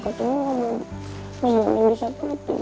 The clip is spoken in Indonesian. katanya abah mau nyakitin neng